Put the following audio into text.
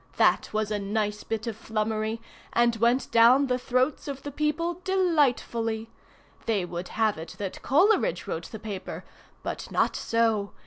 That was a nice bit of flummery, and went down the throats of the people delightfully. They would have it that Coleridge wrote the paper—but not so.